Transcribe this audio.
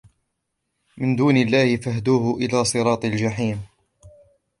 من دون الله فاهدوهم إلى صراط الجحيم